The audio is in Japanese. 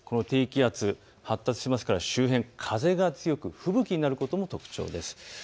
低気圧、発達しますから周辺、風が強く吹雪になることも特徴です。